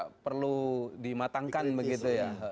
tidak perlu dimatangkan begitu ya